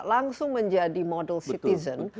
langsung menjadi model citizen